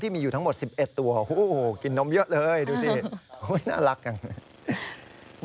ที่มีอยู่ทั้งหมด๑๑ตัวโอ้โฮกินนมเยอะเลยดูสิน่ารักอย่างนั้น